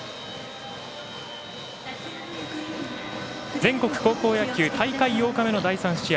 全国高校野球大会８日目の第３試合。